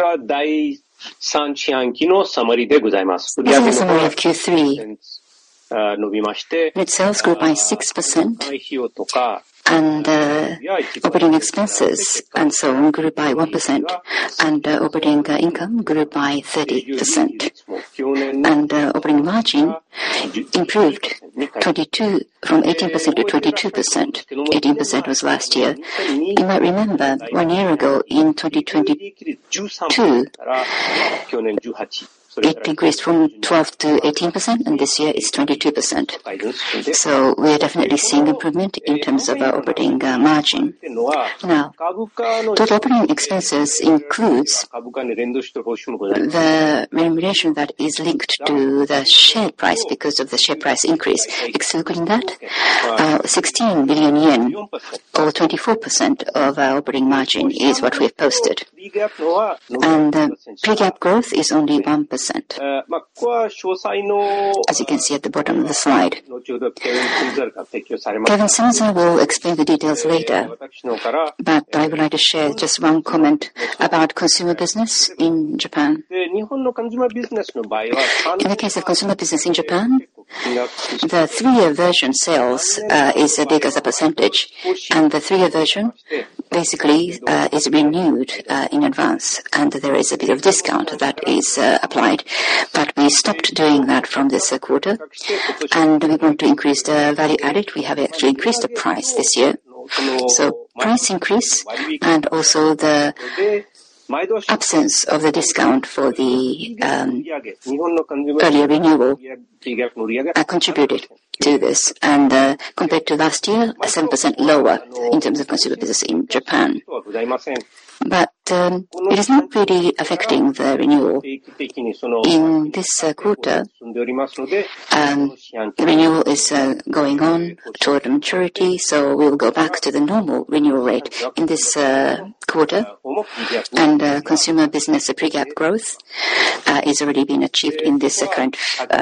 This is the summary of Q3. Net sales grew by 6% and operating expenses and so on grew by 1% and operating income grew by 30% and operating margin improved 22 from 18%-22%. 18% was last year. You might remember one year ago in 2020 it increased from 12%-18% and this year it's 22%. So we are definitely seeing improvement in terms of our operating margin. Now total operating expenses includes the remuneration that is linked to the share price. Because of the share price increase, 16 billion yen or 24% of our operating margin is what we've posted and pre-GAAP growth is only 1% as you can see at the bottom of the slide. Kevin Simzer will explain the details later, but I would like to share just one comment about consumer business in Japan. In the case of consumer business in Japan, the three-year version sales is as big as a percentage, and the three-year version basically is renewed in advance, and there is a bit of discount that is applied, but we doing that from this quarter, and we want to increase the value added. We have actually increased the price this year. So price increase and also the absence of the discount for the earlier renewal contributed to this, and compared to last year, 7% lower in terms of consumer business in Japan. But it is not really affecting the renewal in this quarter. Renewal is going on toward maturity, so we will go back to the normal renewal rate in this quarter. And consumer business pre-GAAP growth is already being achieved in this current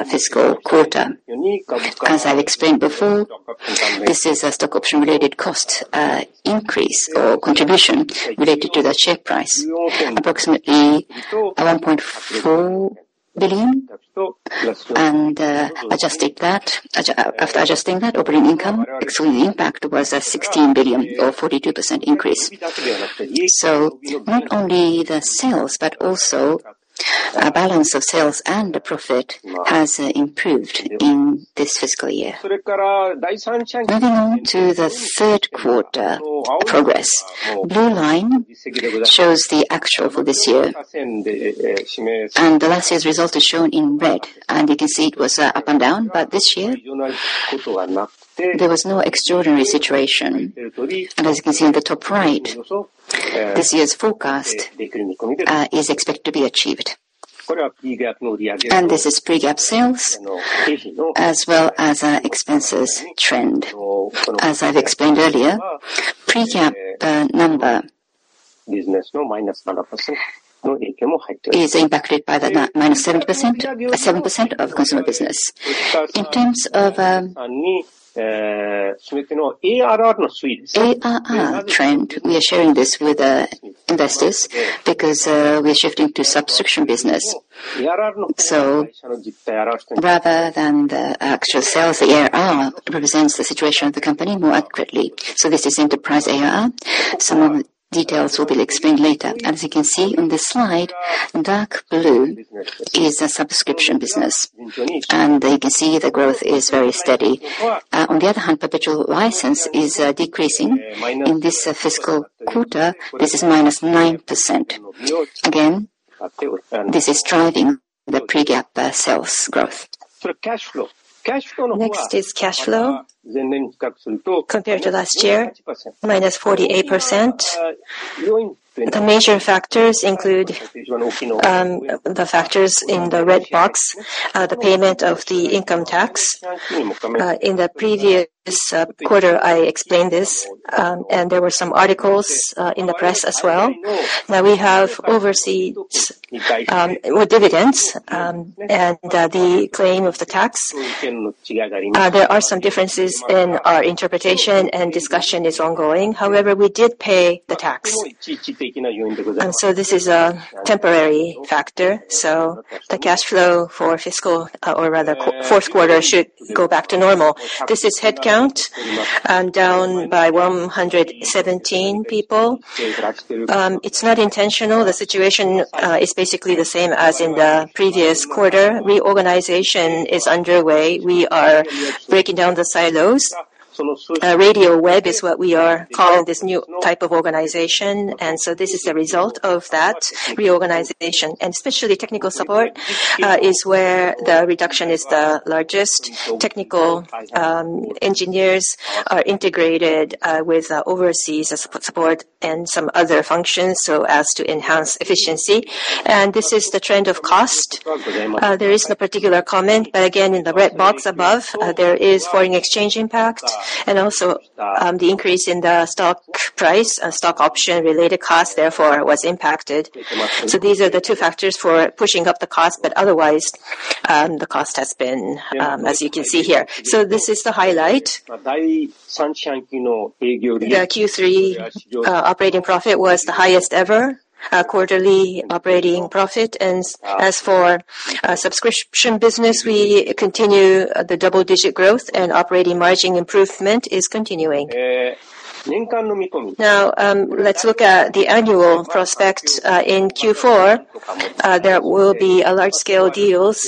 fiscal quarter. As I've explained before, this is a stock option related cost increase or contribution related to the share price booked in 1.4 billion. And adjusted that. After adjusting that, operating income the impact was 16 billion or 42% increase. So not only the sales but also balance of sales and the profit has improved in this fiscal year. Moving on to the third quarter progress. Blue line shows the actual for this year, and the last year's result is shown in red, and you can see it was up and down, but this year there was no extraordinary situation. As you can see in the top right, this year's forecast is expected to be achieved, and this is pre-GAAP sales as well as expenses trend. As I've explained earlier, pre-GAAP number. Business numbers. is impacted by the minus 7% of consumer business in terms of Trend. We are sharing this with investors because we are shifting to subscription business. Rather than the actual sales the ARR represents the situation of the company more accurately, so this is enterprise AI. Some of the details will be explained later. As you can see on this slide, dark blue is a subscription business and you can see the growth is very steady. On the other hand, perpetual license is decreasing in this fiscal quarter. This is minus 9%. Again this is driving the pre-GAAP sales growth. Next is cash flow compared to last year, -48%. The major factors include the factors in the red box, the payment of the income tax in the previous quarter. I explained this and there were some articles in the press as well. Now we have overseas dividends and the claim of the tax. There are some differences in our interpretation and discussion is ongoing. However, we did pay the tax and so this is temporary factor. So the cash flow for fiscal or rather fourth quarter should go back to normal. This is headcount down by 117 people. It's not intentional. The situation is basically the same as in the previous quarter. Reorganization is underway. We are breaking down the silos. Radial Web is what we are calling this new type of organization. And so this is the result of that reorganization and especially technical support. Support is where the reduction is the largest. Technical engineers are integrated with overseas support and some other functions so as to enhance efficiency. This is the trend of cost. There is no particular comment. Again, in the red box above, there is foreign exchange impact and also the increase in the stock price. Stock option-related cost therefore was impacted. These are the two factors for pushing up the cost. Otherwise, the cost has been as you can see here. This is the highlight. The Q3 operating profit was the highest-ever quarterly operating profit. As for subscription business, we continue the double-digit growth and operating margin improvement is continuing. Now let's look at the annual prospect in Q4. There will be large-scale deals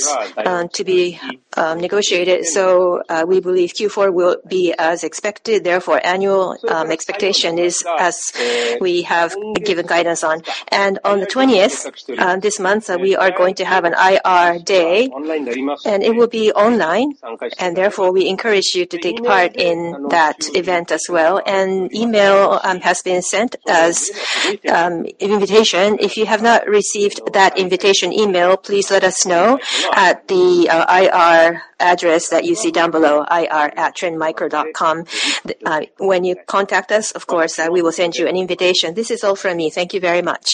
to be negotiated so we believe Q4 will be as expected. Therefore, annual expectation is as we have given guidance on, and on the 20th this month we are going to have an IR Day, and it will be online, and therefore we encourage you to take part in that event as well. An email has been sent as invitation. If you have not received that invitation email, please let us know at the IR address that you see down below, ir@trendmicro.com, when you contact us. Of course we will send you an invitation. This is all from me. Thank you very much.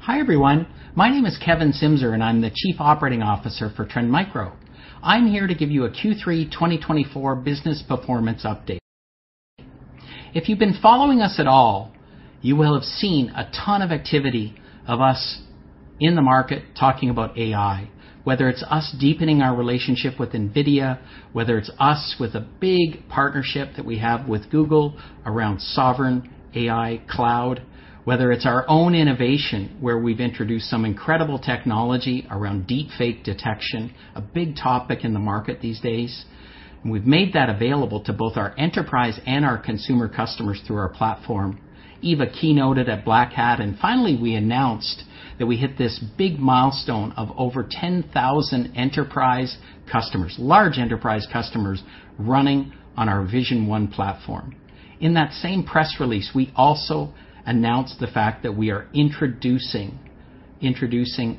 Hi everyone, my name is Kevin Simzer and I'm the Chief Operating Officer for Trend Micro. I'm here to give you a Q3 2024 business performance update. If you've been following us at all, you will have seen a ton of activity of us in the market talking about AI. Whether it's us deepening our relationship with Nvidia, whether it's us with a big partnership that we have with Google around sovereign AI cloud, whether it's our own innovation where we've introduced some incredible technology around deepfake detection, a big topic in the market these days. We've made that available to both our enterprise and our consumer customers through our platform. Eva Chen keynoted at Black Hat and finally we announced that we hit this big milestone of over 10,000 enterprise customers, large enterprise customers, running on our Vision One platform. In that same press release, we also announced the fact that we are introducing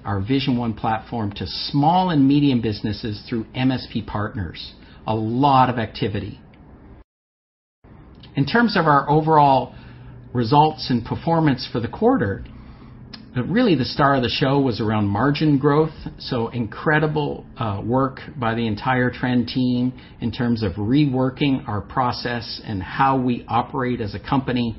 our Vision One platform to small and medium businesses through MSP partners. A lot of activity in terms of our overall results and performance for the quarter. Really, the star of the show was around margin growth. So incredible work by the entire Trend team in terms of reworking our process and how we operate as a company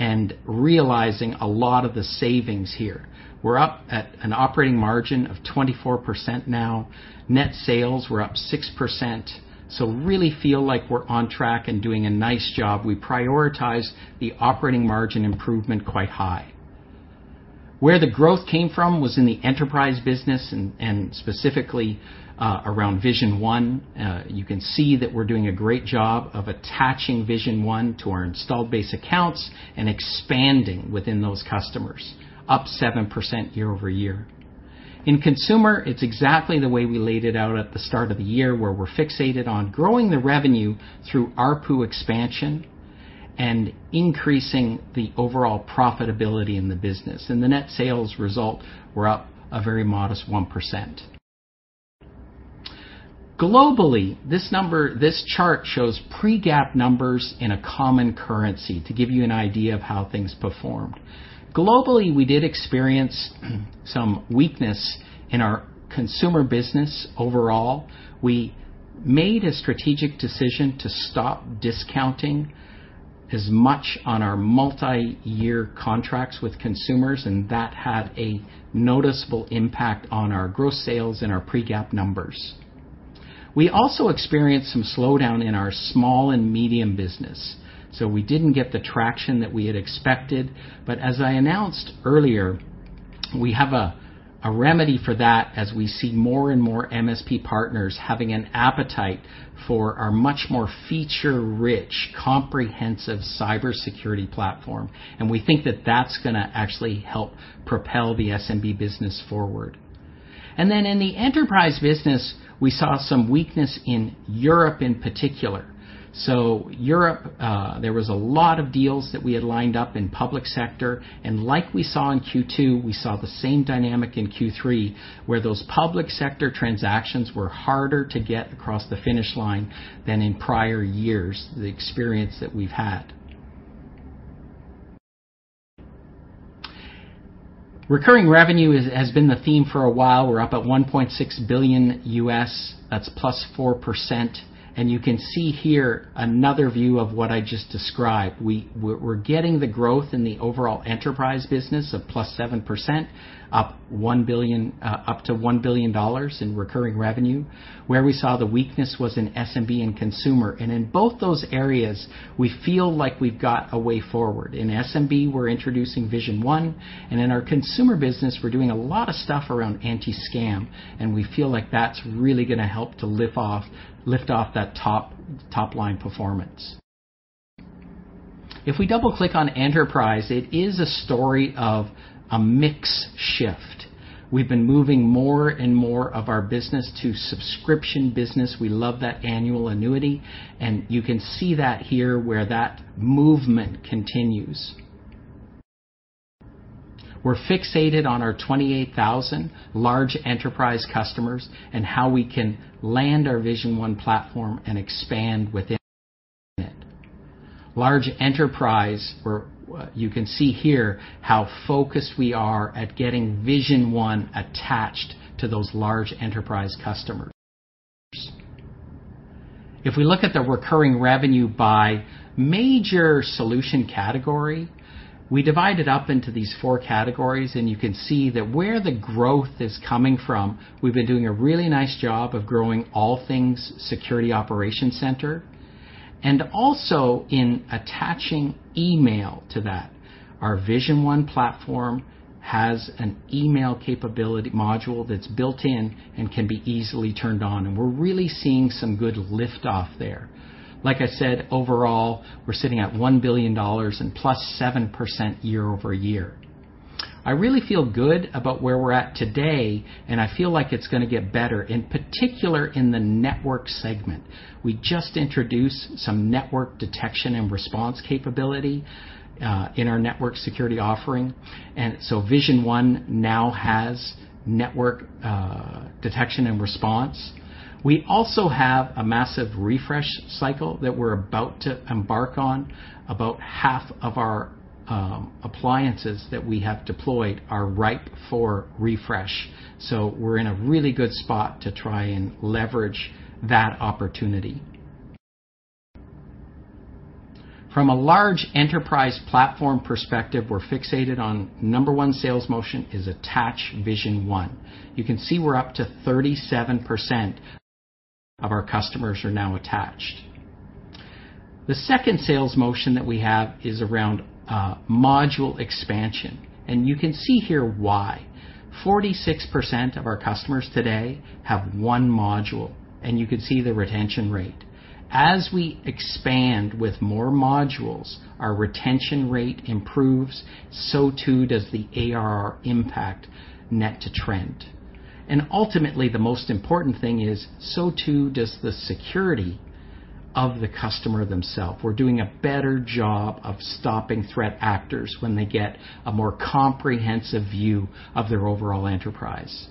and realizing a lot of the savings here. We're up at an operating margin of 24% now. Net sales were up 6%. So really feel like we're on track and doing a nice job. We prioritized the operating margin improvement quite high. Where the growth came from was in the enterprise business and specifically around Vision One. You can see that we're doing a great job of attaching Vision One to our installed base accounts and expanding within those customers, up 7% year over year. In consumer, it's exactly the way we laid it out at the start of the year where we're fixated on growing the revenue through ARPU expansion and increasing the overall profitability in the business, and the net sales result were up a very modest 1% globally. This number, this chart shows pre-GAAP numbers in a common currency. To give you an idea of how things performed globally, we did experience some weakness in our consumer business. Overall we made a strategic decision to stop discounting as much on our multi-year contracts with consumers, and that had a noticeable impact on our gross sales and our pre-GAAP numbers. We also experienced some slowdown in our small and medium business, so we didn't get the traction that we had expected, but as I announced earlier, we have a remedy for that. As we see more and more MSP partners having an appetite for our much more feature rich comprehensive cybersecurity platform, and we think that that's going to actually help propel the SMB business forward, and then in the enterprise business we saw some weakness in Europe in particular, so Europe there was a lot of deals that we had lined up in public sector, and like we saw in Q2, we saw the same dynamic in Q3 where those public sector transactions were harder to get across the finish line than in prior years. The experience that we've had. Recurring revenue has been the theme for a while. We're up at $1.6 billion, that's +4%. And you can see here another view of what I just described. We're getting the growth in the overall enterprise business of +7% up to $1 billion in recurring revenue. Where we saw the weakness was in SMB and consumer, and in both those areas we feel like we've got a way forward in SMB. We're introducing Vision One, and in our consumer business we're doing a lot of stuff around anti-scam, and we feel like that's really going to help to lift off that top, top line performance. If we double click on enterprise. It is a story of a mix shift. We've been moving more and more of our business to subscription business. We love that annual annuity, and you can see that here where that movement continue. We're fixated on our 28,000 large enterprise customers and how we can land our Vision One platform and expand within it large enterprise. You can see here how focused we are at getting Vision One attached to those large enterprise customers. If we look at the recurring revenue by major solution category, we divide it up into these four categories and you can see that where the growth is coming from. We've been doing a really nice job of growing all things security operations center and also in attaching email to that. Our Vision One platform has an email capability module that's built in and can be easily turned on and we're really seeing some good liftoff there. Like I said, overall we're sitting at $1 billion and +7% year-over-year. I really feel good about where we're at today and I feel like it's going to get better. In particular in the network segment. We just introduced some Network Detection and Response capability in our network security offering. And so Vision One now has Network Detection and Response. We also have a massive refresh cycle that we're about to embark on. About half of our appliances that we have deployed are ripe for refresh. So we're in a really good spot to try and leverage that opportunity. From a large enterprise platform perspective. We're fixated on number one sales motion is attach Vision One. You can see we're up to 37% of our customers are now attached. The second sales motion that we have is around module expansion. And you can see here why 46% of our customers today have one module. And you can see the retention rate. As we expand with more modules, our retention rate improves. So too does the ARR impact net to trend. And ultimately the most important thing is so too does the security of the customer themselves. We're doing a better job of stopping threat actors when they get a more comprehensive view of their overall enterprise.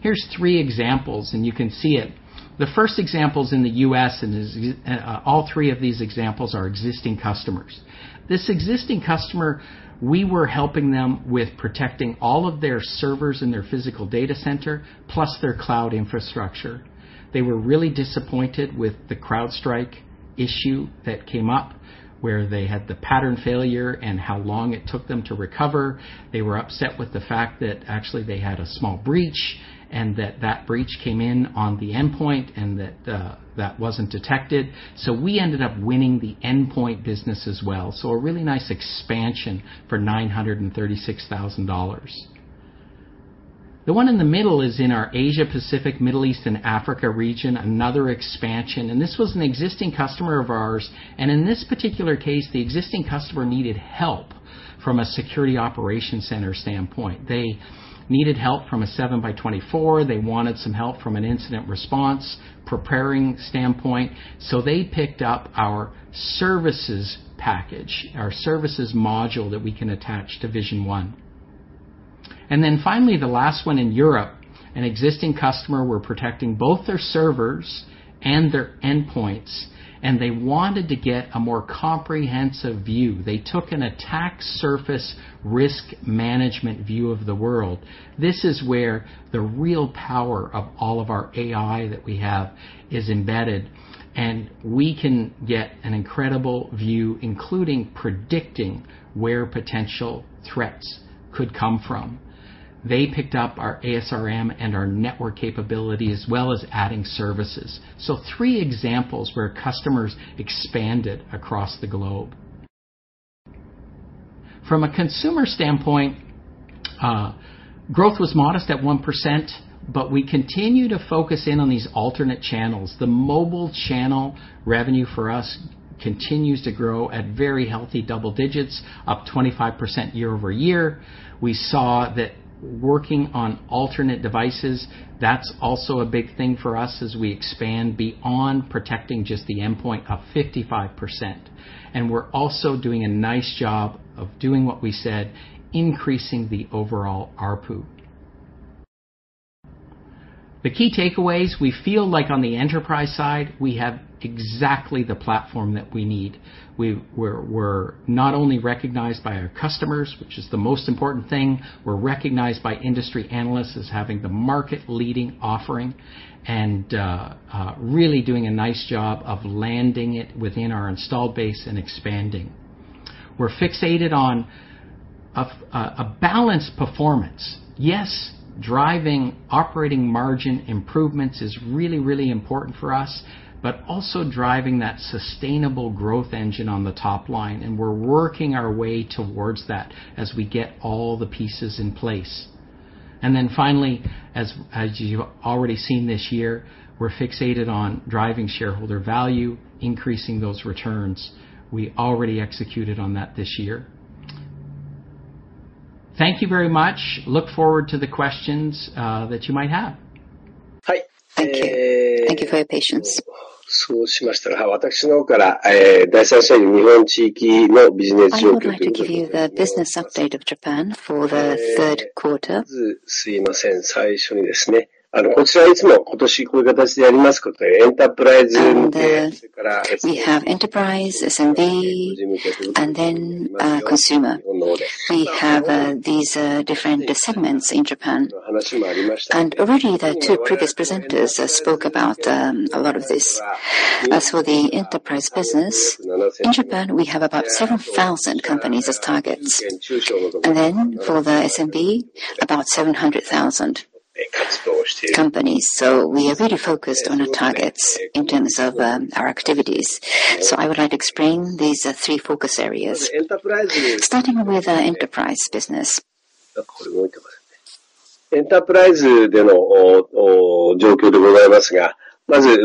Here's three examples and you can see it. The first example is in the U.S. and all three of these examples are existing customers. This existing customer, we were helping them with protecting all of their servers in their physical data center plus their cloud infrastructure. They were really disappointed with the CrowdStrike issue that came up where they had the pattern failure and how long it took them to recover. They were upset with the fact that actually they had a small breach and that that breach came in on the endpoint and that that wasn't detected. So we ended up winning the endpoint business as well. So a really nice expansion for $936,000. The one in the middle is in our Asia Pacific, Middle East and Africa region. Another expansion, and this was an existing customer of ours. And in this particular case, the existing customer needed help from a security operations center standpoint. They needed help from a 7x24. They wanted some help from an incident response preparing standpoint. So they picked up our services package, our services module that we can attach to Vision One and then finally the last one in Europe, an existing customer were protecting both their servers and their endpoints and they wanted to get a more comprehensive view. They took an Attack Surface Risk Management view of the world. This is where the real power of all of our AI that we have is embedded, and we can get an incredible view, including predicting where potential threats could come from. They picked up our ASRM and our network capability as well as adding services, so three examples where customers expand it across the globe. From a consumer standpoint, growth was modest at 1%, but we continue to focus in on these alternate channels. The mobile channel revenue for us continues to grow at very healthy double digits, up 25% year over year. We saw that working on alternate devices. That's also a big thing for us as we expand beyond protecting just the endpoint, up 55%, and we're also doing a nice job of doing what we said, increasing the overall ARPU. The key takeaways. We feel like on the enterprise side we have exactly the platform that we need. We're not only recognized by our customers, which is the most important thing, we're recognized by industry analysts as having the market leading offering and really doing a nice job of landing it within our installed base and expanding. We're fixated on a balanced performance. Yes, driving operating margin improvements is really, really important for us, but also driving that sustainable growth engine on the top line. And we're working our way towards that as we get all the pieces in place. And then finally, as you've already seen this year, we're fixated on driving shareholder value, increasing those returns. We already executed on that this year. Thank you very much. Look forward to the questions that you might have. Hi, thank you. Thank you for your patience. I would like to give you the business update of Japan for the third quarter. We have Enterprise, SMB and then consumer. We have these different segments in Japan and already the two previous presenters spoke about a lot of this. As for the enterprise business in Japan, we have about 7,000 companies as targets and then for the SMB about 700,000 companies. So we are really focused on our targets in terms of our activities. So I would like to explain these three focus areas starting with enterprise business. Enterprise. With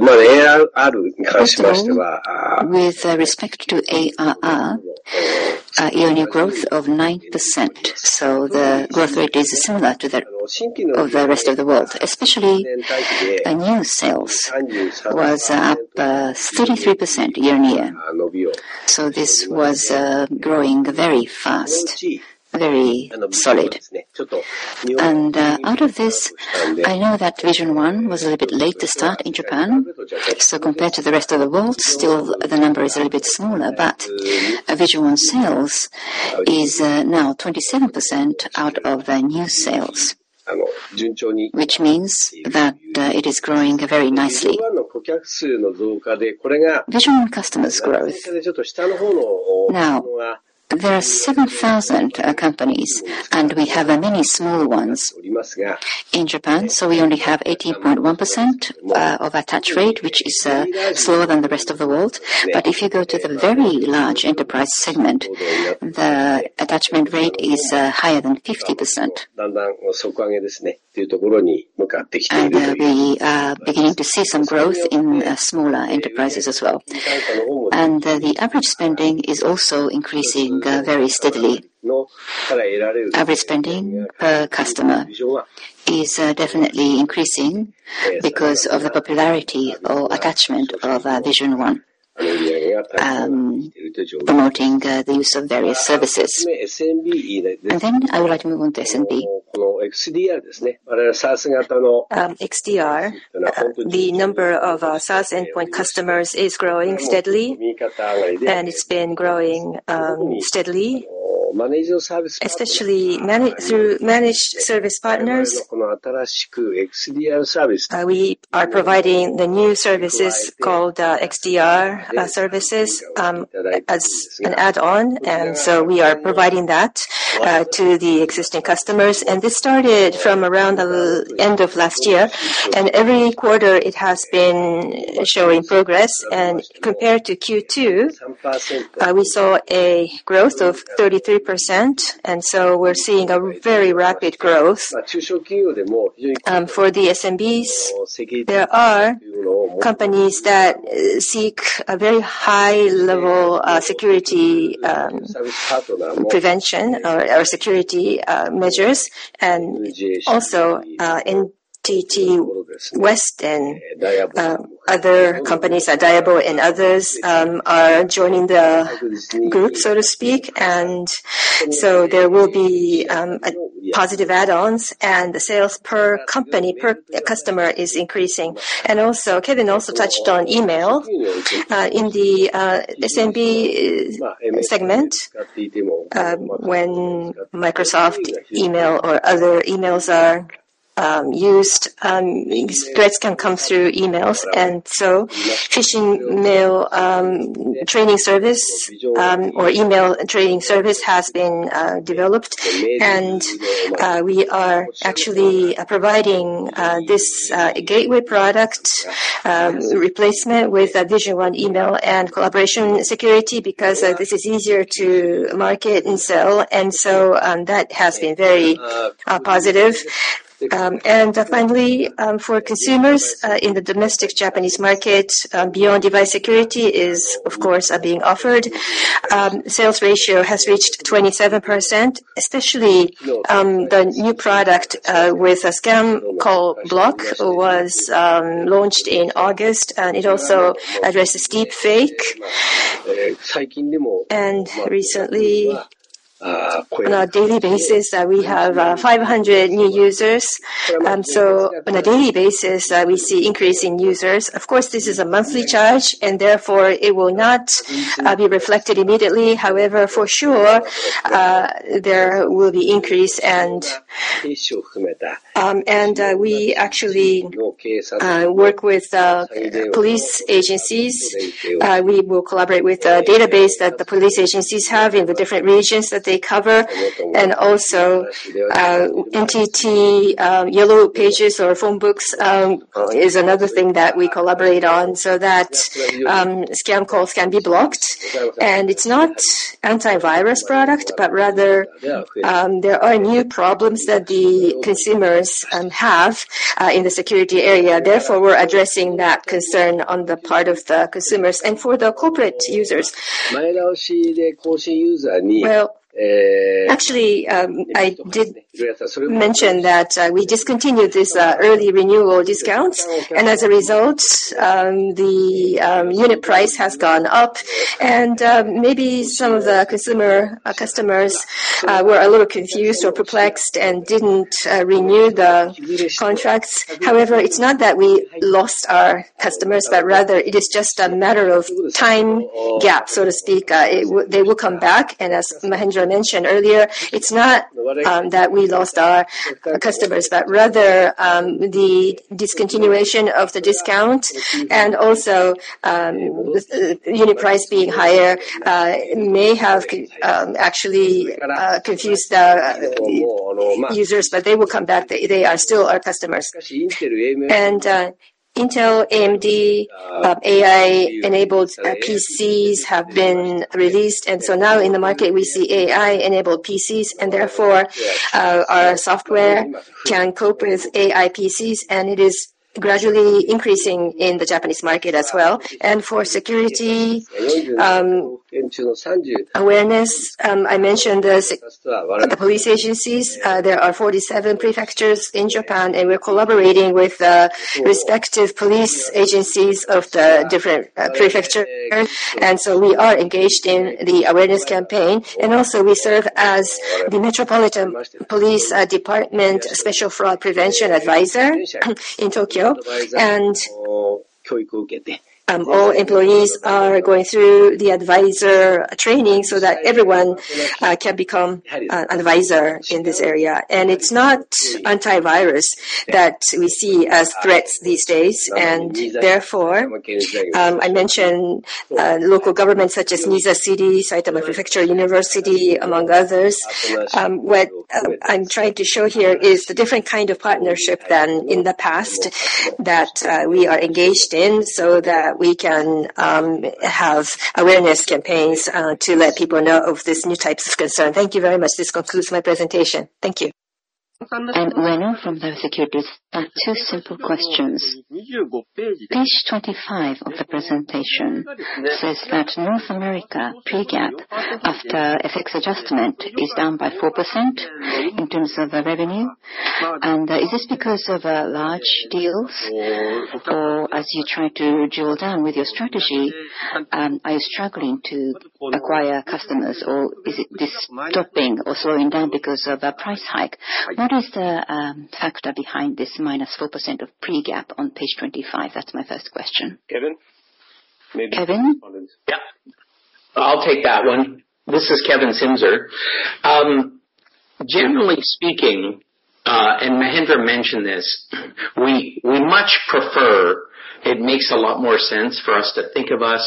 respect to ARR year growth of 9%, the growth rate is similar to that of the rest of the world. Especially, new sales was up 33% year on year, so this was growing very fast, very solid. Out of this, I know that Vision One was a little bit late to start in Japan. Compared to the rest of the world, the number is still a little bit smaller. Vision One sales is now 27% out of their new sales, which means that it is growing very nicely. Vision One customers' growth now, there are 7,000 companies, and we have many small ones in Japan. We only have 18.1% attach rate, which is slower than the rest of the world. But if you go to the very large enterprise segment, the attachment rate is higher than 50% and we are beginning to see some growth in smaller enterprises as well. The average spending is also increasing very steadily. Average spending per customer is definitely increasing because of the popularity or attachment of Vision One promoting the use of various services. Then I would like to move on to SMB. The number of SaaS endpoint customers is growing steadily and it's been growing steadily, especially through managed service partners. We are providing the new services called XDR services as an add on and so we are providing that to the existing customers. This started from around the end of last year and every quarter it has been showing progress and compared to Q2 we saw a growth of 33%. We're seeing a very rapid. Growth. For the SMBs. There are companies that seek a very high level security prevention or security measures, and also in the west and other companies, AI adopters and others are joining the group so to speak, and so there will be positive add-ons and the sales per company per customer is increasing, and also Kevin also touched on email in the SMB segment. When Microsoft email or other emails are used, threats can come through emails, and so phishing mail training service or email training service has been developed and we are actually providing this gateway product replacement with Vision One Email and Collaboration Security because this is easier to market and sell, and so that has been very positive. And finally for consumers in the domestic Japanese market beyond device security is of course being offered. Sales ratio has reached 27%. Especially the new product, Scam Call Block, was launched in August and it also addresses deepfake, and recently on a daily basis we have 500 new users, so on a daily basis we see increasing users. Of course this is a monthly charge and therefore it will not be reflected immediately. However, for sure there will be increase. And. We actually work with police agencies. We will collaborate with the database that the police agencies have in the different regions that they cover, and also so NTT Yellow Pages or phone books is another thing that we collaborate on so that scam calls can be blocked and it's not antivirus product but rather there are new problems that the consumers have in the security area. Therefore we're addressing that concern on the part of the consumers and for the corporate users, well, actually I did mention that we discontinued this early renewal discounts and as a result the unit price has gone up and maybe some of the customers were a little confused or perplexed and didn't renew the contracts. However, it's not that we lost our customers, but rather it is just a matter of time gap, so to speak. They will come back and as Mahendra mentioned earlier, so it's not that we lost our customers but rather the discontinuation of the discount and also unit price being higher may have actually confused users. But they will come back, they are still our customers. And Intel AMD AI enabled PCs have been released. And so now in the market we see AI enabled PCs and therefore software can cope with AI PCs and it is gradually increasing in the Japanese market as well. And for security awareness I mentioned the police agencies. There are 47 prefectures in Japan and we're collaborating with the respective police agencies of the different prefectures. And so we are engaged in the awareness campaign and also we serve as the Metropolitan Police Department Special Fraud Prevention Advisor in Tokyo. All employees are going through the advisor training so that everyone can become advisor in this area. It's not antivirus that we see as threats these days. Therefore, I mentioned local governments such as Niiza City, Saitama Prefecture, University, among others. What I'm trying to show here is the different kind of partnership than in the past that we are engaged in so that we can have awareness campaigns to let people know of these new types of concern. Thank you very much. This concludes my presentation. Thank you. Ueno from the securities. I have two simple questions. Page 25 of the presentation says that North America pre-GAAP after FX adjustment is down by 4% in terms of revenue. Is this because of large deals or as you try to drill down with your strategy, are you struggling to acquire customers or is it the stopping or slowing down because of a price hike? What is the factor behind this -4% on pre-GAAP on page 25? That's my first question. Kevin maybe. Kevin. Yeah, I'll take that one. This is Kevin Simzer. Generally speaking, and Mahendra mentioned this. We much prefer. It makes a lot more sense for us to think of us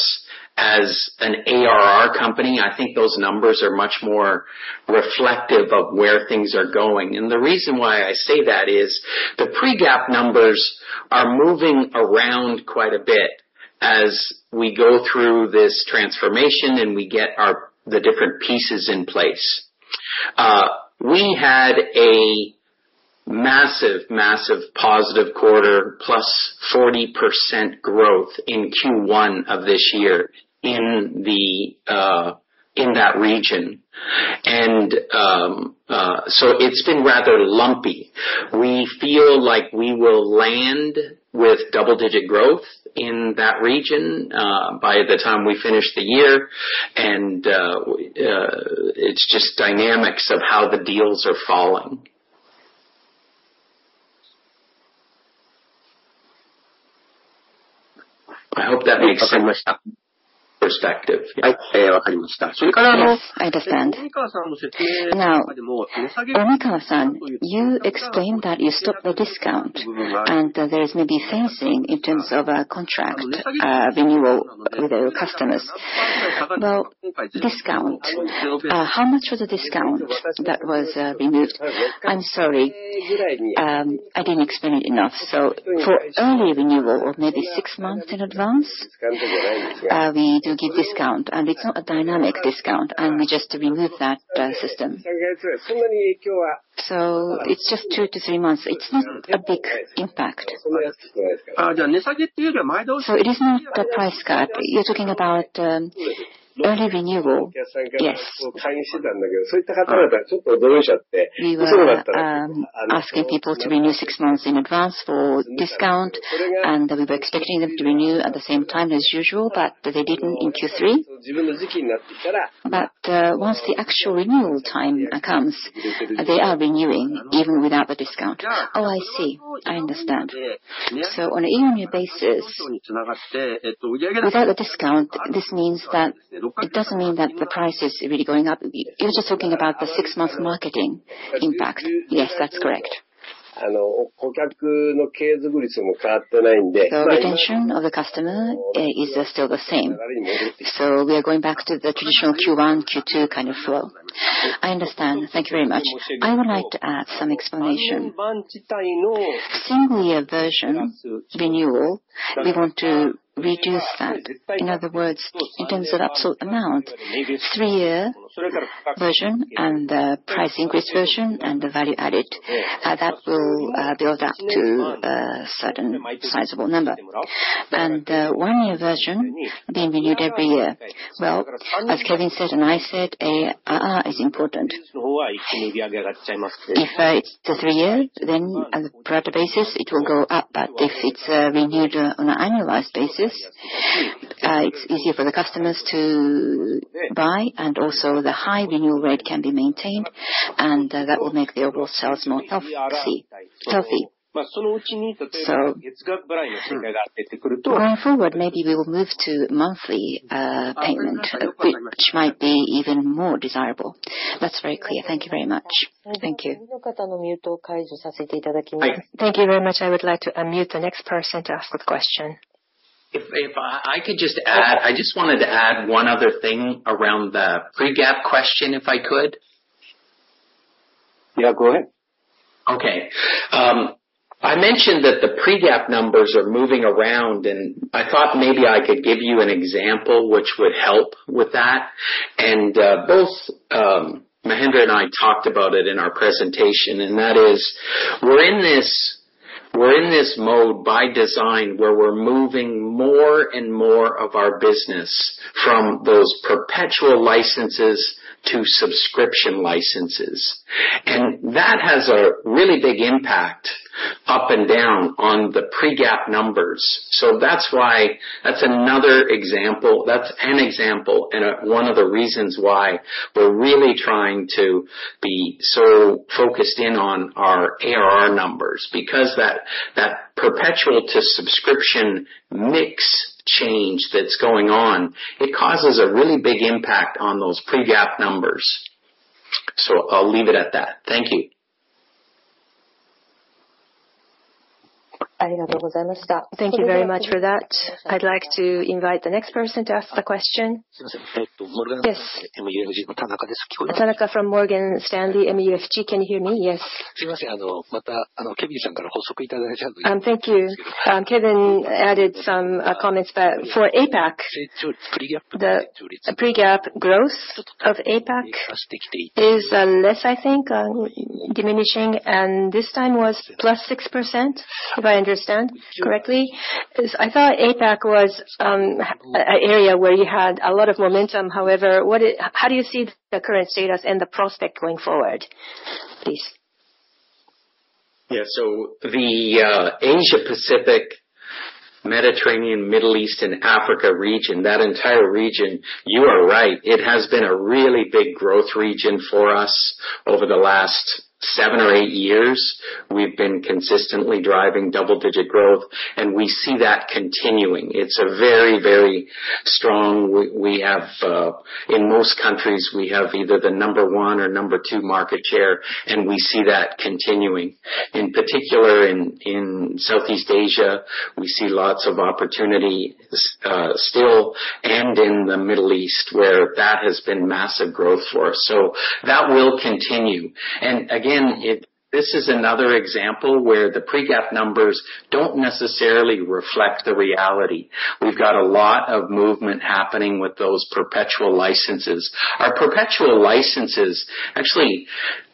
as an ARR company. I think those numbers are much more reflective of where things are going. And the reason why I say that is the pre-GAAP numbers are moving around quite a bit as we go through this transformation and we get the different pieces in place. We had a massive, massive positive quarter +40% growth in Q1 of this year in that region. And so it's been rather lumpy. We feel like we will land with double digit growth in that region by the time we finish the year. And it's just dynamics of how the deals are falling. I hope that makes sense. Perspective. I understand. Now, Omikawa-san, you explained that you stopped the discount and there is maybe fencing in terms of a contract renewal with your customers. So discount, how much was the discount that was removed? I'm sorry I didn't explain it enough. So for early renewal or maybe six months in advance, we do give discount and it's not a dynamic discount. I just remove that system. So it's just two to three months. It's not a big impact. So it is not the price cut. You're talking about early renewal. Yes, we were asking people to renew six months in advance for discount and we were expecting them to renew at the same time as usual, but they didn't in Q3. But once the actual renewal time comes, they are renewing even without the discount. Oh, I see, I understand. So on an annual basis without the discount, this means that. It doesn't mean that the price is really going up. You're just talking about the six-month marketing impact. Yes, that's correct. So retention of the customer is still the same. So we are going back to the traditional Q1, Q2 kind of flow. I understand. Thank you very much. I would like to add some explanation. Single-year version renewal, we want to reduce that. In other words, in terms of absolute amount, three-year version and the price increase version and the value added that will build up to a certain sizable number. And the one-year version being renewed every year. Well, as Kevin said and I said, ARR is important. If it's three years, then on a prior basis it will go up. But if it's renewed on an annualized basis, it's easier for the customers to buy. And also the high renewal rate can be maintained and that will make the overall sales more healthy. So. Going forward maybe we will move to monthly payment which might be even more desirable. That's very clear. Thank you very much. Thank you. Thank you very much. I would like to unmute the next person to ask a question. I could just add. I just wanted to add one other thing around the pre-GAAP question if I could. Yeah, go ahead. Okay. I mentioned that the pre-GAAP numbers are moving around, and I thought maybe I could give you an example which would help with that. Both Mahendra and I talked about it in our presentation, and that is we're in this mode by design where we're moving more and more of our business from those perpetual licenses to subscription licenses. That has a really big impact up and down on the pre-GAAP numbers. That's why. That's another example. That's an example and one of the reasons why we're really trying to be so focused in on our ARR numbers because that perpetual to subscription mix change that's going on, it causes a really big impact on those pre-GAAP numbers. I'll leave it at that. Thank you. Thank you very much for that. I'd like to invite the next person to ask the question. Yes. From Morgan Stanley MUFG. Can you hear me? Yes, thank you. Kevin added some comments. But for APAC, the pre-GAAP growth of APAC is less, I think diminishing and this time was +6% if I understand correctly. I thought APAC was an area where you had a lot of momentum. However, how do you see the current status and the prospect going forward? Please? Yeah, so the Asia Pacific, Mediterranean, Middle East and Africa region, that entire region, you are right. It has been a really big growth region for us over the last seven or eight years. We've been consistently driving double digit growth and we see that continuing. It's a very, very strong. We have in most countries either the number one or number two market share and we see that continuing in particular in Southeast Asia. We see lots of opportunity still and in the Middle East where that has been massive growth for us. So that will continue. And again this is another example where the pre-GAAP numbers don't necessarily reflect the reality. We've got a lot of movement happening with those perpetual licenses. Our perpetual licenses. Actually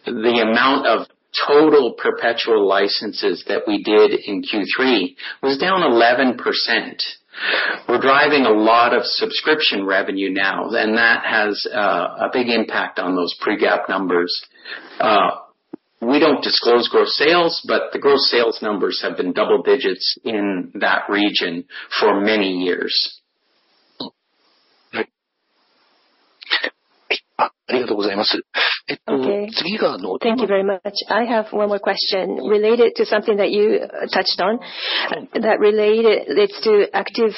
the amount of total perpetual licenses that we did in Q3 was down 11%. We're driving a lot of subscription revenue now and that has a big impact on those Pre-GAAP numbers. We don't disclose gross sales but the gross sales numbers have been double digits in that region for many years. Thank you very much. I have one more question related to something that you touched on. It's to active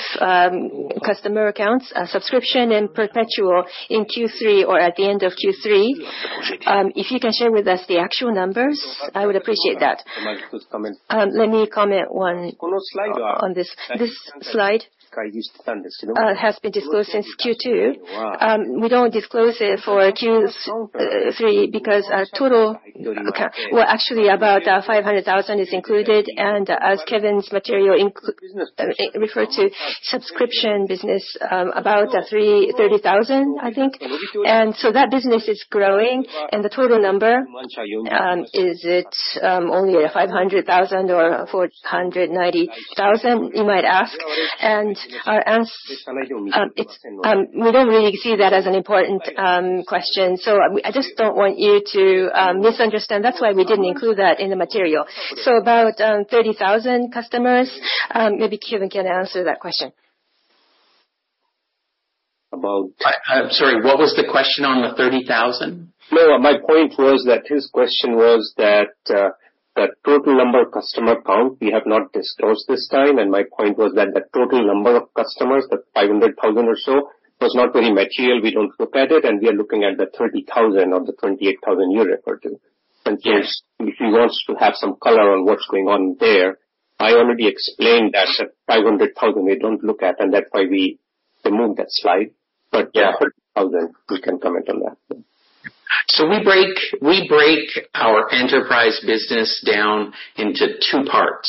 customer accounts, subscription and perpetual in Q3 or at the end of Q3, if you can share with us the actual numbers. I would appreciate that. Let me comment on this. This slide has been disclosed since Q2. We don't disclose it for Q3 because total. Well, actually about 500,000 is included and as Kevin's material referred to subscription business, about 30,000 I think. And so that business is growing and the total number is it only 500,000 or 400,000-490,000 you might ask. We don't really see that as an important question. I just don't want you to misunderstand. That's why we didn't include that in the material. About 30,000 customers. Maybe Kevin can answer that question. About. Sorry, what was the question on the 30,000? No, my point was that his question was that the total number of customer count we have not disclosed this time, and my point was that the total number of customers, the 500,000 or so, was not very material. We don't look at it, and we are looking at the 30,000 or the 28,000 we refer to, and so if you want to have some color on what's going on there, I already explained that 500,000 we don't look at and that's why we removed that slide, but we can comment on it, so we break our enterprise business down into two parts.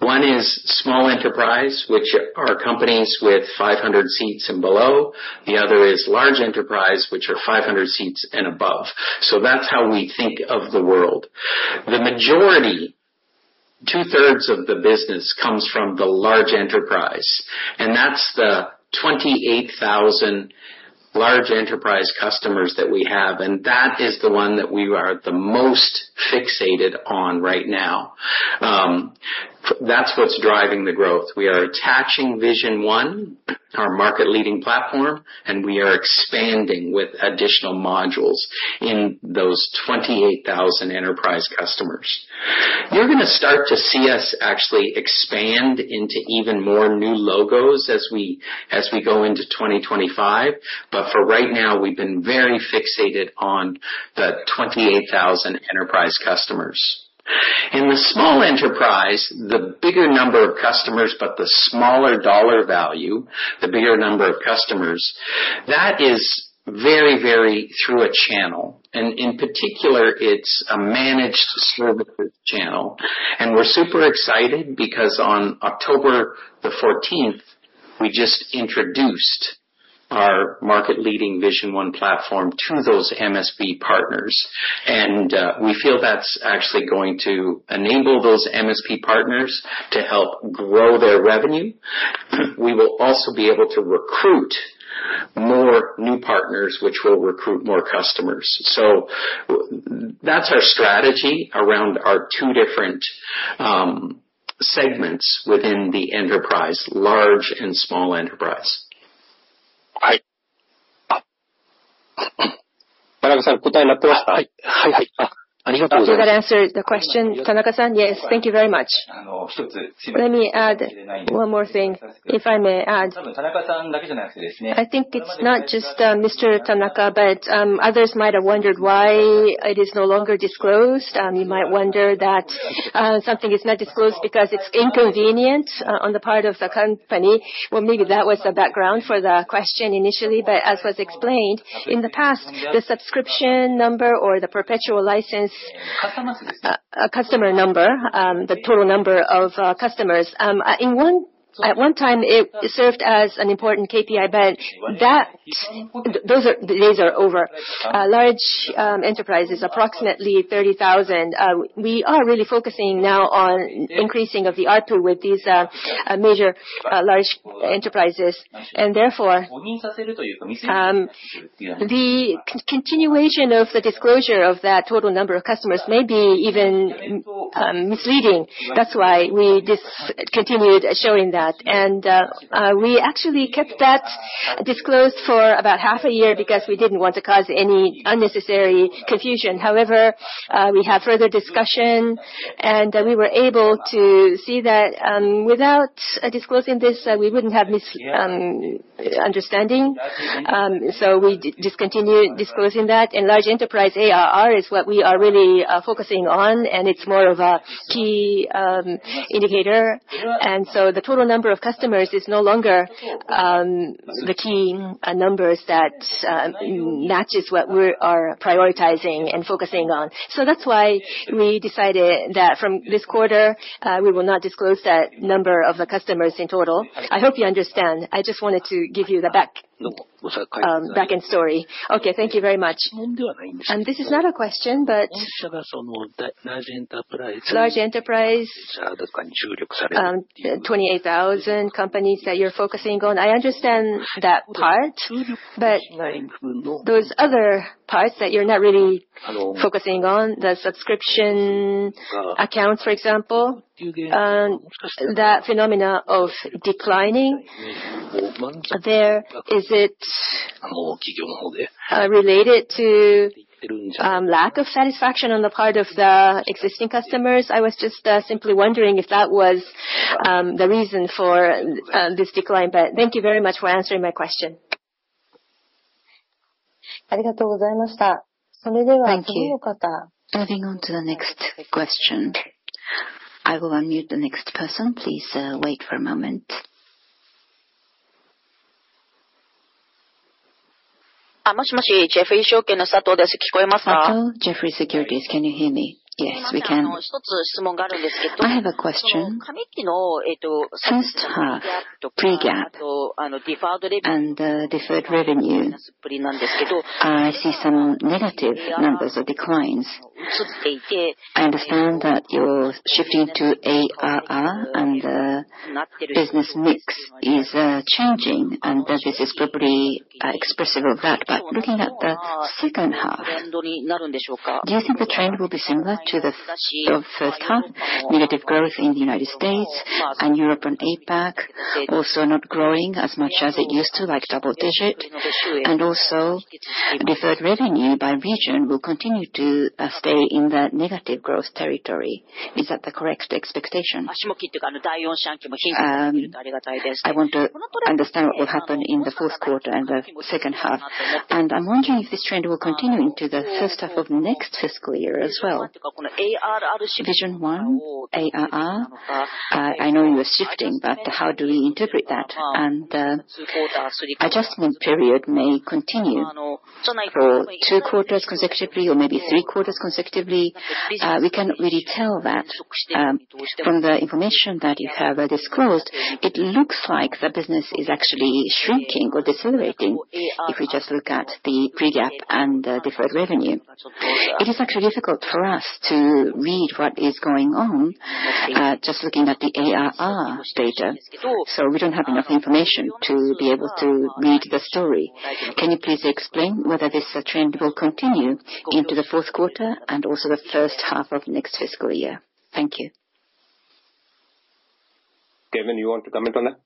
One is small enterprise, which are companies with 500 seats and below. The other is large enterprise, which are 500 seats and above, so that's how we think of the world. The majority, two thirds, of the business comes from the large enterprise. That's the 28,000 large enterprise customers that we have. That is the one that we are the most fixated on right now. That's what's driving the growth. We are attaching Vision One, our market leading platform, and we are expanding with additional modules in those 28,000 enterprise customers. You're going to start to see us actually expand into even more new logos as we go into 2020. But for right now we've been very fixated on the 28,000 enterprise customers in the small enterprise. The bigger number of customers but the smaller dollar value, the bigger number of customers. That is very, very through a channel and in particular it's a managed services channel. And we're super excited because on October 14th we just introduced our market-leading Vision One platform to those SMB partners and we feel that's actually going to enable those MSP partners to help grow their revenue. We will also be able to recruit more new partners which will recruit more customers. So that's our strategy around our two. Different. Segments within the enterprise, large and small enterprise. That answered the question, Tanaka-san. Yes, thank you very much. Let me add one more thing if I may add. I think it's not just Mr. Tanaka but others might have wondered why it is no longer disclosed. You might wonder that something is not disclosed because it's inconvenient on the part of the company. Well, maybe that was the background for the question initially, but as was explained in the past, the subscription number or the perpetual license customer number, the total number of customers at one time it served as an important KPI benchmark. That those days are over. Large enterprises, approximately 30,000. We are really focusing now on increasing of the ARPU with these major large enterprises and therefore the continuation of the disclosure of that total number of customers may be even misleading. That's why we discontinued showing that and we actually kept that disclosed for about half a year because we didn't want to cause any unnecessary confusion. However, we have further discussion and we were able to see that without disclosing this we wouldn't have misunderstanding so we discontinued disclosing that. And Large Enterprise ARR is what we are really focusing on and it's more of a key indicator. And so the total number of customers is no longer the key numbers that matches what we are prioritizing and focusing on. So that's why we decided that from this quarter we will not disclose that number of the customers in total. I hope you understand. I just wanted to give you the back end story. Okay, thank you very much. This is not a question but. Large. Enterprise 28,000 companies that you're focusing on. I understand that part but those other parts that you're not really focusing on, the subscription accounts for example, that phenomena of declining there, is it related to lack of satisfaction on the part of the existing customers? I was just simply wondering if that would be the reason for this decline. But thank you very much for answering my question. Thank you. Moving on to the next question. I will unmute the next person. Please wait for a moment. Yes, we can. I have a question. First half pre-GAAP and deferred revenue. I see some negative numbers of declines. I understand that you're shifting to ARR and business mix is changing and this is probably expressive of that. But looking at the second half, do you think the trend will be similar to the negative growth in the United States and European APAC also not growing as much as it used to like double digit and also deferred revenue by region will continue to stay in the negative growth territory. Is that the correct expectation? I want to understand what will happen in the fourth quarter and the second half and I'm wondering if this trend will continue into the first half of the next fiscal year as well. Vision One ARR I know you are shifting but how do we interpret that and adjustment period may continue for 2/4 consecutively or maybe 3/4 consecutively. We cannot really tell that. From the information that you have disclosed, it looks like the business is actually shrinking or decelerating. If we just look at the pre-GAAP and deferred revenue, it is actually difficult for us to read what is going on just looking at the ARR data. So we don't have enough information to be able to read the story. Can you please explain whether this trend will continue into the fourth quarter and also the first half of next fiscal year? Thank you. Kevin, you want to comment on that?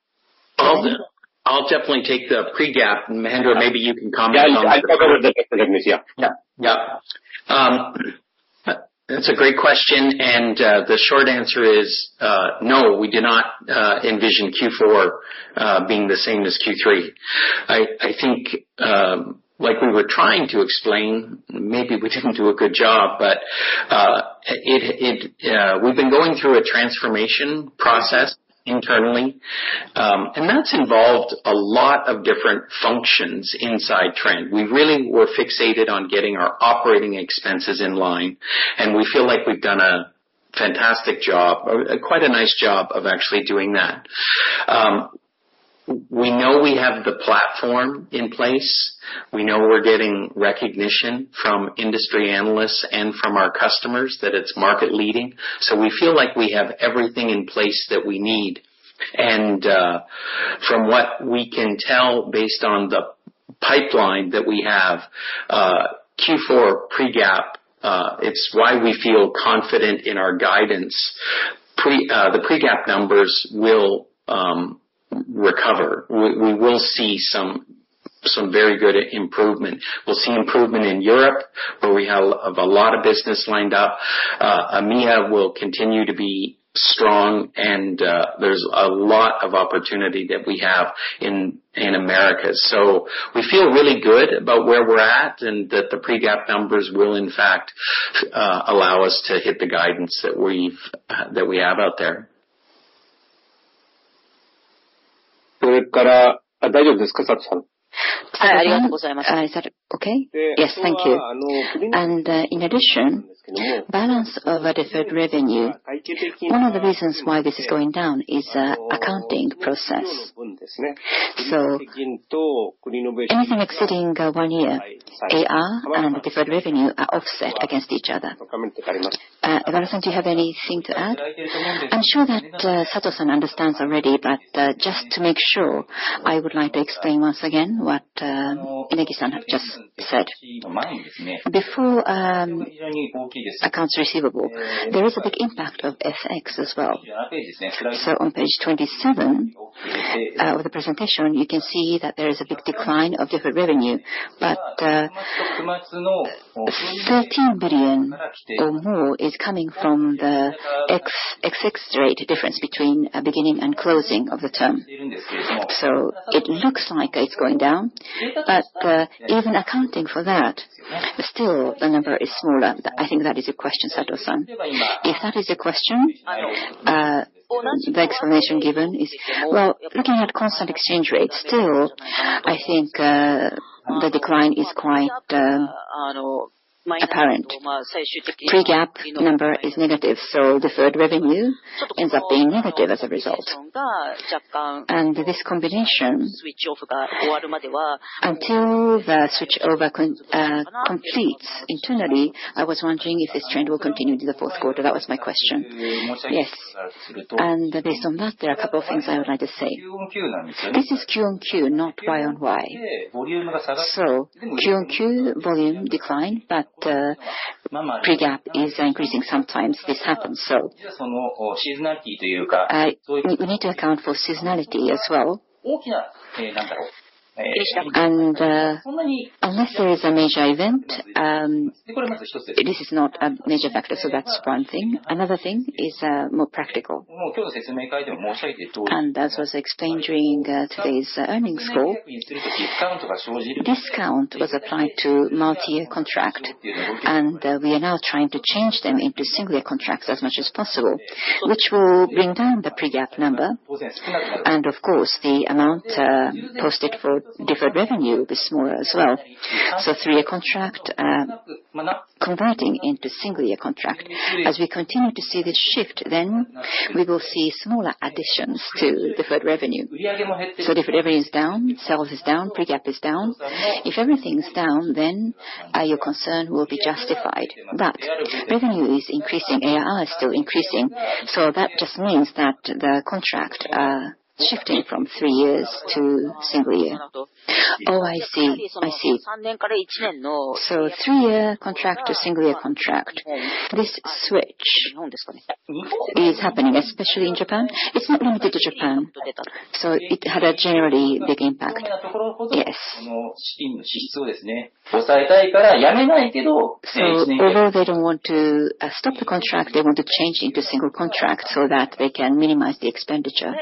I'll definitely take the pre-GAAP. Mahendra, maybe you can comment on that. Yeah, yeah, that's a great question. And the short answer is no, we did not envision Q4 being the same as Q3. I think like we were trying to explain, maybe we didn't do a good job but we've been going through a transformation process internally and that's involved a lot of different functions inside Trend. We really were fixated on getting our operating expenses in line and we feel like we've done a fantastic job, quite a nice job of actually doing that. We know we have the platform in place. We know we're getting recognition from industry analysts and from our customers that it's market leading. So we feel like we have everything in place that we need. From what we can tell based on the pipeline that we have, Q4 pre-GAAP. It's why we feel confident in our guidance, the pre-GAAP numbers will recover. We will see some very good improvement. We'll see improvement in Europe where we have a lot of business lined up. EMEA will continue to be strong and there's a lot of opportunity that we have in America. So we feel really good about where we're at and that the pre-GAAP numbers will in fact allow us to hit the guidance that we have out there. Is that okay? Yes, thank you. And in addition, balance of deferred revenue. One of the reasons why this is going down is accounting process. So anything exceeding one year, AR and deferred revenue are offset against each other. Do you have anything to add? I'm sure that Sato-san understands already, but just to make sure, I would like to explain once again what I have just said before. Accounts receivable, there is a big impact of FX as well. So on page 27 of the presentation, you can see that there is a big decline of deferred revenue. But. 13 billion or more is coming from the FX rate difference between beginning and closing of the term. So it looks like it's going down. But even accounting for that still the number is smaller. I think that is a question Sato-san, if that is a question, the explanation given is well, looking at constant exchange rates still I think the decline is quite apparent. Pre-GAAP number is negative so deferred revenue ends up being negative as a result and this combination until the switch over completes internally, I was wondering if this trend will continue in the fourth quarter. That was my question. Yes. And based on that there are a couple of things I would like to say. This is Q-on-Q not Y-on-Y. So Q-on-Q volume decline but Pre-GAAP is increasing. Sometimes this happens. So we need to account for seasonality as well, and unless there is a major event, this is not a major factor. So that's one thing. Another thing is more practical, and as was explained during today's earnings call, discount was applied to multi-year contract, and we are now trying to change them into single-year contracts as much as possible, which will bring down the pre-GAAP number and of course the amount posted for deferred revenue. This more as well. So three-year contract converting into single-year contract. As we continue to see this shift, then we will see smaller additions to deferred revenue. So deferred revenue is down, sales is down, pre-GAAP is down. If everything's down, then your concern will be justified. But revenue is increasing. ARR is still increasing. So that just means that the contract shifting from three years to single-year. Oh, I see, I see. So three-year contract to single-year contract. This switch is happening especially in Japan. It's not limited to Japan. So it had a generally big impact. Yes. So although they don't want to stop the contract, they want to change into single contract so that they can minimize the expenditure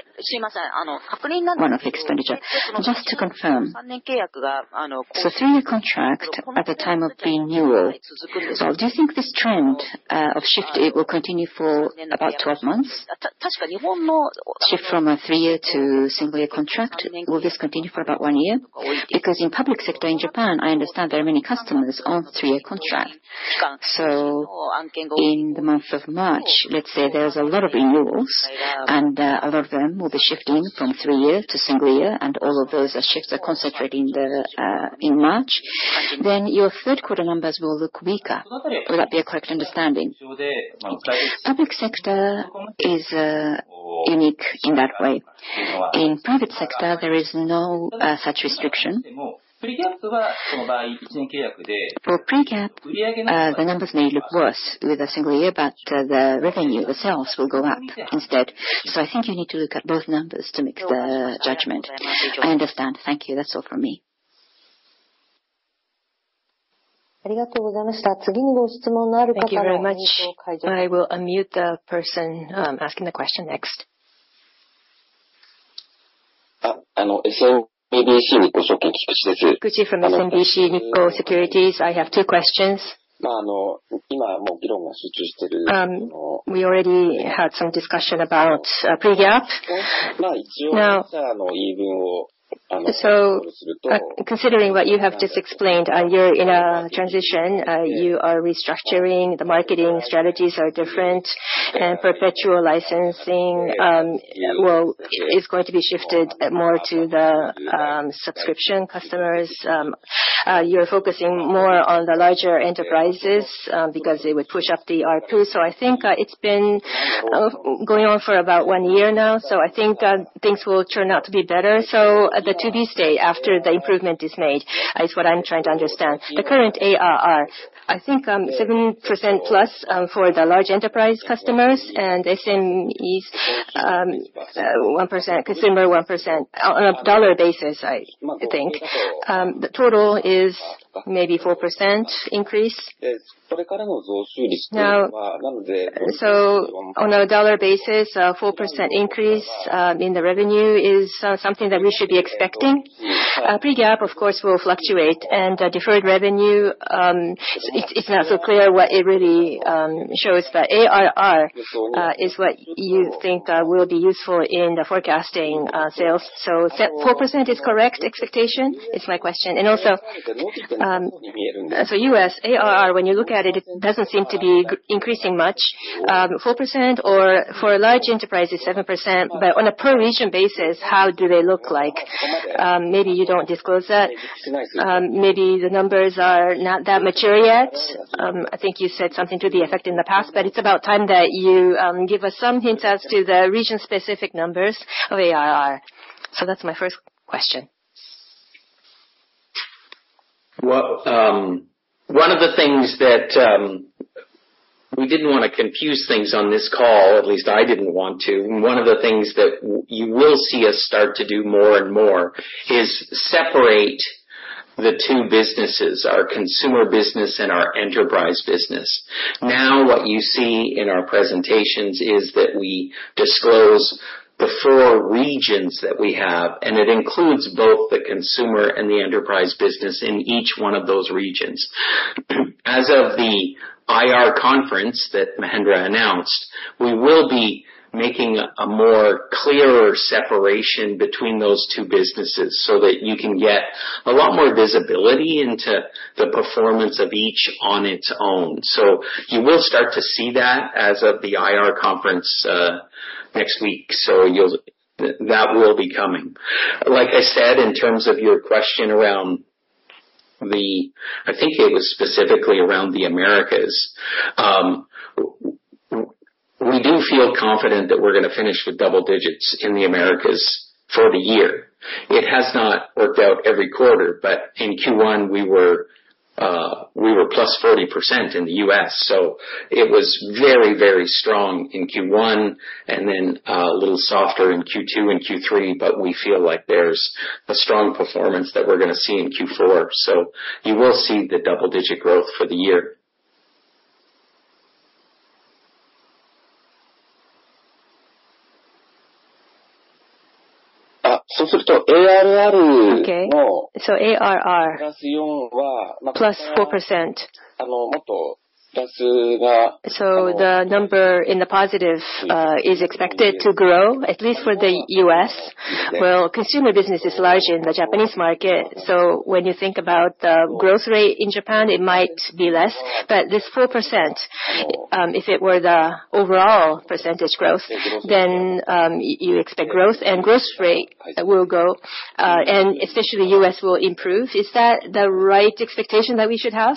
one of expenditure just to confirm. So three-year contract at the time of renewal. Do you think this trend of shift it will continue for about 12 months? Shift from a three-year to single-year contract, will this continue for about one year? Because in public sector in Japan I understand there are many customers on three-year contract. So in the month of March, let's say there's a lot of renewals and a lot of them will be shifting from three-year to single-year and all of those shifts are concentrated in March. Then your third quarter numbers will look weaker. Will that be a correct understanding? Public sector is unique in that way. In private sector there is no such restriction for pre-GAAP. The numbers may look worse with a single year but the revenue itself will go up instead. So I think you need to look at both numbers to make the judgment. I understand. Thank you. That's all from me. Thank you very much. I will unmute the person asking the question. Next. Securities, I have two questions. We already had some discussion about pre-GAAP now. So considering what you have just explained, you're in a transition, you are restructuring. The marketing strategies are different and perpetual licensing, well it's going to be shifted more to the subscription customers. You're focusing more on the larger enterprises because they would push up the ARPU. So I think it's been going on for about one year now. So I think things will turn out to be better. So the steady state after the improvement is made is what I'm trying to understand. The current ARR I think 7% plus for the large enterprise customers and SMEs 1% consumer 1% on a dollar basis I think the total is maybe 4% increase now. So on a dollar basis 4% increase in the revenue is something that we should be expecting. Pre-GAAP, of course, will fluctuate and deferred revenue. It's not so clear what it really shows. But ARR is what you think will be useful in the forecasting sales. So 4% is correct expectation and also so U.S. ARR when you look at it doesn't seem to be increasing much. 4% or for a large enterprise is 7%. But on a per region basis how do they look like? Maybe you don't disclose that. Maybe the numbers are not that mature yet. I think you said something to the effect in the past, but it's about time that you give us some hint as to the region specifically numbers of ARR. So that's my first question. One of the things that we didn't want to confuse things on this call, at least I didn't want to. One of the things that you will see us start to do more and more is separate the two businesses. Our consumer business and our enterprise business. Now what you see in our presentations is that we disclose the four regions that we have and it includes both the consumer and the enterprise business in each one of those regions. As of the IR conference that Mahendra announced, we will be making a more clearer separation between those two businesses so that you can get a lot more visibility into the performance of each on its own. So you will start to see that as of the IR conference next week. So you'll see that will be coming. Like I said, in terms of your question around the, I think it was specifically around the Americas. We do feel confident that we're going to finish with double digits in the Americas for the year. It has not worked out every quarter but in Q1 we were plus 40% in the U.S. so it was very, very strong in Q1 and then a little softer in Q2 and Q3. But we feel like there's a strong performance that we're going to see in Q4. So you will see the double digit growth for the year. Okay, so ARR 4% so the number in the positive is expected to grow at least for the U.S. Well, consumer business is large in the Japanese market. So when you think about the growth rate in Japan, it might be less. But this 4%, if it were the overall percentage growth, then you expect growth and growth rate will go and especially U.S. will improve. Is that the right expectation that we should have?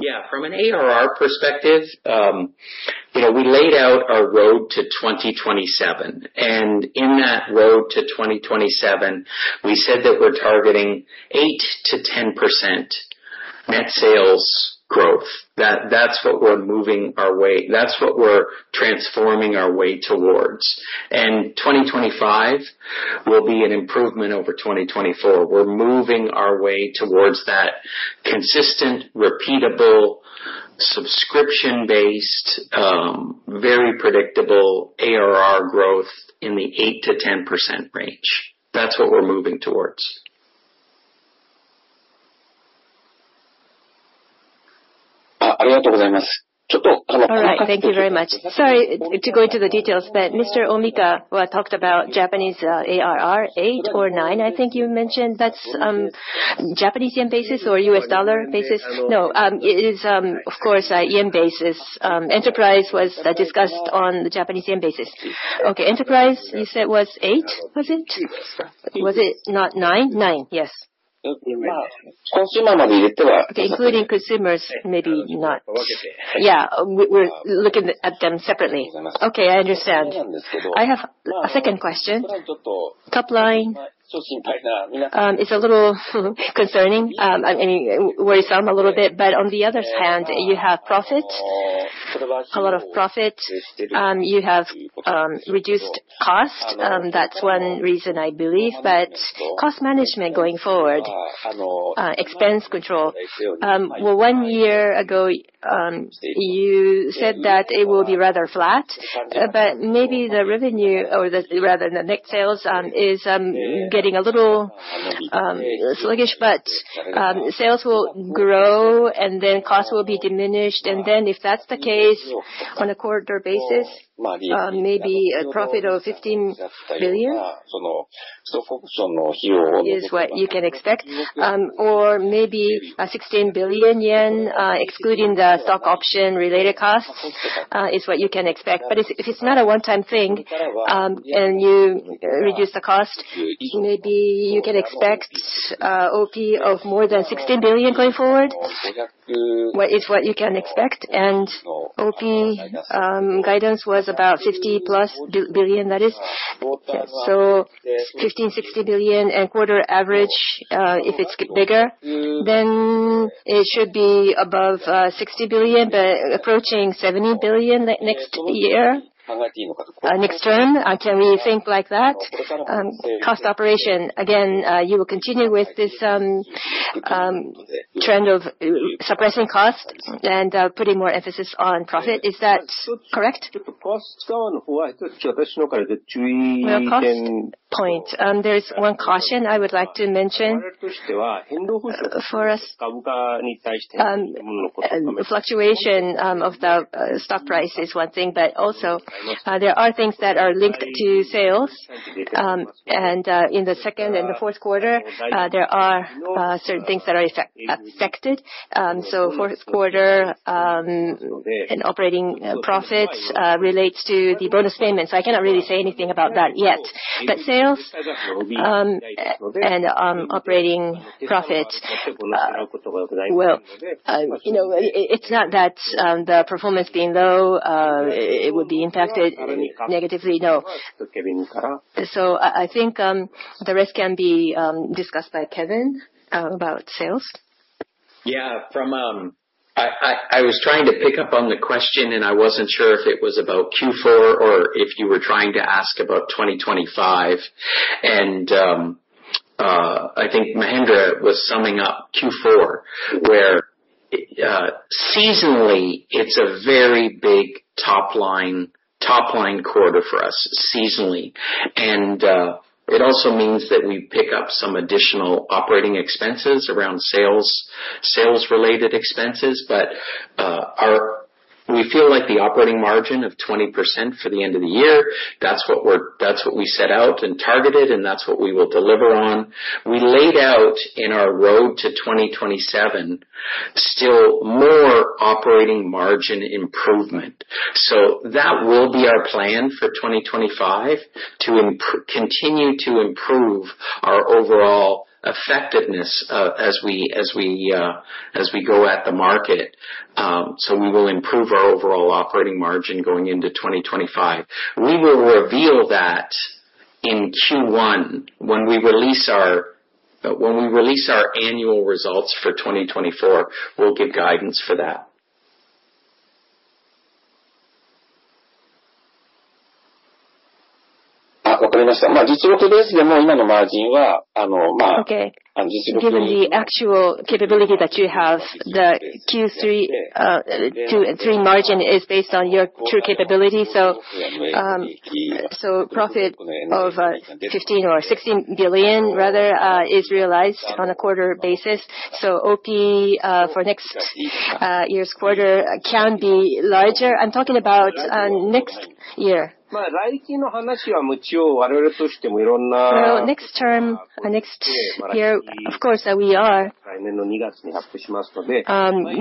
Yeah, from an ARR perspective, you know, we laid out our Road to 2027 and in that Road to 2027, we said that we're targeting 8%-10% net sales growth. That's what we're moving our way. That's what we're transforming our way towards. And 2025 will be an improvement over 2024. We're moving our way towards that consistent, repeatable, subscription based, very predictable ARR growth in the 8%-10% range. That's what we're moving towards. All right, thank you very much. Sorry to go into the details that Mr. Omikawa talked about. Japanese ARR eight or nine I think. Think you mentioned that's Japanese yen basis or US dollar basis? No, it is of course yen basis. Enterprise was discussed on the Japanese yen basis. Okay. Enterprise you said was eight. Was it? Was it not nine? Nine, yes. Including consumers. Maybe not. Yeah, we're looking at them separately. Okay, I understand. I have a second question. Top line. It's a little concerning worry. Some, a little bit. But on the other hand you have profit, a lot of profit. You have reduced cost. That's one reason I believe. But cost management going forward, expense control. One year ago you said that it will be rather flat. But maybe the revenue or rather the next sales is getting a little sluggish. But sales will grow and then costs will be diminished. And then if that's the case on a quarter basis, maybe a profit of 15 billion is what you can expect. Or maybe 16 billion yen excluding the stock option related costs is what you can expect. But if it's not a one-time thing and you reduce the cost, maybe you can expect op of more than 16 billion going forward. It's what you can expect. And OP guidance was about 50 billion plus. That is so 15 billion-60 billion per quarter average. If it's bigger, then it should be above 60 billion but approaching 70 billion. Next year next term. Can we think like that cost operation again? You will continue with this trend of suppressing cost and putting more emphasis on profit, is that correct? Point. There's one caution I would like to mention for us. Fluctuation of the stock price is one thing, but also there are things that are linked to sales. In the second and the fourth quarter there are certain things that are affected. So fourth quarter and operating profits relates to the bonus payments. I cannot really say anything about that yet. But sales and operating profit will, you know, it's not that the performance being low, it would be impacted negatively. No. So I think the rest can be discussed by Kevin about sales. Yeah, I was trying to pick up on the question and I wasn't sure if it was about Q4 or if you were trying to ask about 2025. And I think Mahendra was summing up Q4 where seasonally, it's a very big top line quarter for us seasonally. And it also means that we pick up some additional operating expenses around sales, sales related expenses. But we feel like the operating margin of 20% for the end of the year, that's what we set out and targeted and that's what we will deliver on. We laid out in our road to 2027 still more operating margin improvement. So that will be our plan for 2025 to continue to improve our overall effectiveness as we go at the market. So we will improve our overall operating margin going into 2025. We will reveal that in Q1 when we release our annual results for 2024. We'll give guidance for that. Okay. Given the actual capability that you have, the Q3 margin is based on your true capabilities. So profit of 15 billion or 16 billion rather is realized on a quarter basis. So OP for next year's quarter can be larger. I'm talking about next year. Of course we are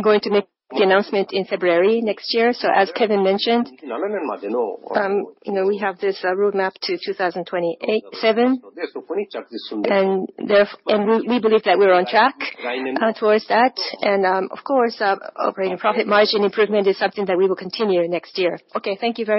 going to make the announcement in February next year. So as Kevin mentioned, we have this roadmap to 2027. We believe that we're on track towards that and of course operating profit margin improvement is something that we will continue next year. Okay, thank you very much.